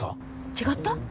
違った？